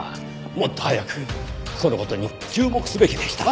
もっと早くその事に注目すべきでした。